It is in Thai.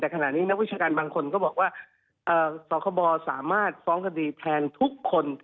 แต่ขณะนี้นักวิชาการบางคนก็บอกว่าสคบสามารถฟ้องคดีแทนทุกคน